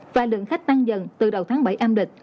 và lượng khách tăng dần từ đầu tháng bảy âm lịch